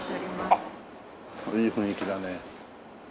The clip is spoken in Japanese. あっいい雰囲気だね。